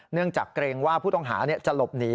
จากเกรงว่าผู้ต้องหาจะหลบหนี